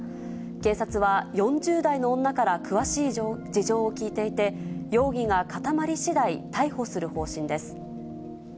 警察は、４０代の女から詳しい事情を聴いていて、容疑が固まり次第、逮捕する方針です。